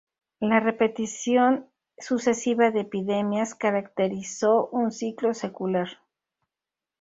La repetición sucesiva de epidemias caracterizó un ciclo secular.